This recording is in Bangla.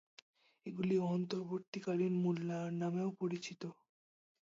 এগুলি অন্তর্বর্তীকালীন মূল্যায়ন নামেও পরিচিত।